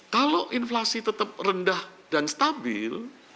kalau inflasi tetap rendah dan stabil